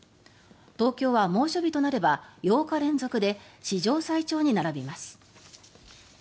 東京は猛暑日となれば８日連続で史上最長に並びます。